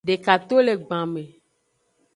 Deka to le gban me.